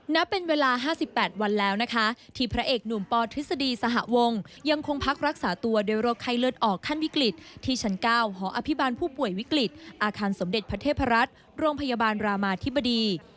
นับเป็นเวลา๕๘วันแล้วนะคะที่พระเอกหนุ่มปทฤษฎีสหวงยังคงพักรักษาตัวโดยโรคไข้เลือดออกขั้นวิกฤตที่ชั้น๙หออภิบาลผู้ป่วยวิกฤตอาคารสมเด็จพระเทพรัฐโรงพยาบาลรามาธิบดี